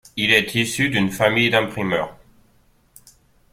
Il est issu d'une famille d'imprimeurs.